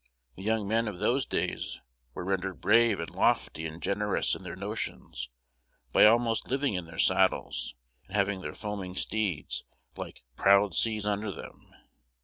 The young men of those days were rendered brave, and lofty, and generous, in their notions, by almost living in their saddles, and having their foaming steeds 'like proud seas under them.'